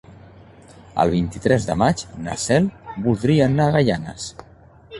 El vint-i-tres de maig na Cel voldria anar a Gaianes.